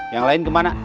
yang lain kemana